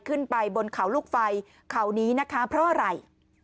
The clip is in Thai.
ขึ้นไปบนเขาลูกไฟเขานี้นะคะเพราะอะไร